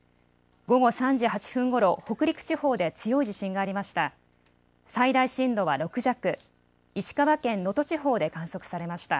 午後３時８分ごろ北陸地方で強い地震がありました。